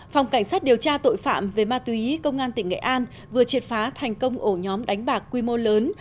phòng cảnh sát điều tra tội phạm về ma túy công an tỉnh nghệ an vừa triệt phá thành công ổ nhóm đánh bạc quy mô lớn